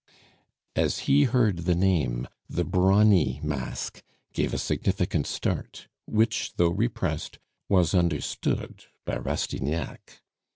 As he heard the name the brawny mask gave a significant start, which, though repressed, was understood by Rastignac.